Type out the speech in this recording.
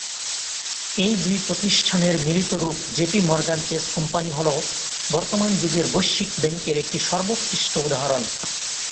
এই দুই প্রতিষ্ঠানের মিলিত রূপ জেপি মর্গান চেস কোম্পানি হল বর্তমান যুগের বৈশ্বিক ব্যাংকের একটি সর্বোৎকৃষ্ট উদাহরণ।